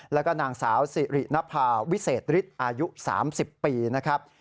แล้วก็นางสาวสิรินภาวิเศษฤทธิ์อายุ๓๐ปีนะครับ